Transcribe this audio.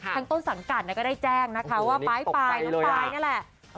ทั้งต้นสันกัดก็ได้แจ้งนะคะว่าป้ายน้องป้ายนี่แหละ